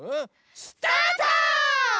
スタート！